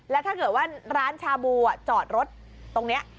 แล้วถ้าเกิดว่าร้านชาบูจอดรถตรงนี้